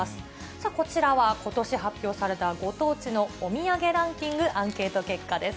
さあこちらは、ことし発表されたご当地のお土産ランキング、アンケート結果です。